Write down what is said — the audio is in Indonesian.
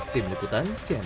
tim lekutan cnn